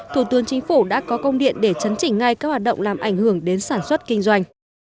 thủ tướng chính phủ đã có công điện để chấn chỉnh ngay các hoạt động làm ảnh hưởng đến sản xuất kinh doanh